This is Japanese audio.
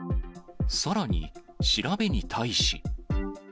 さらに、調べに対し。